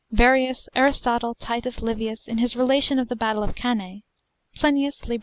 Verrius, Aristotle, Titus Livius, in his relation of the battle of Cannae, Plinius, lib.